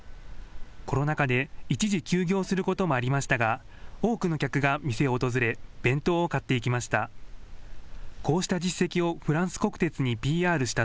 コロナ禍で一時休業することもありましたが、多くの客が店を訪れ、弁当を買っていきました。